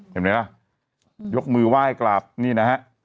เห็นไหมล่ะยกมือไหว้กลับนี่นะฮะ